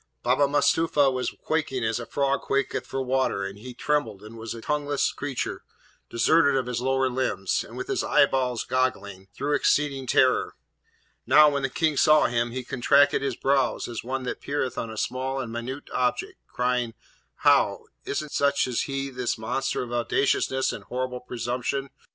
Baba Mustapha was quaking as a frog quaketh for water, and he trembled and was a tongueless creature deserted of his lower limbs, and with eyeballs goggling, through exceeding terror. Now, when the King saw him, he contracted his brows as one that peereth on a small and minute object, crying, 'How! is't such as he, this monster of audaciousness and horrible presumption?